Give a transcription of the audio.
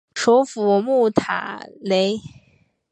首府穆塔雷。